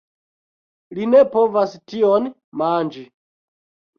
Li ne povas tion manĝi!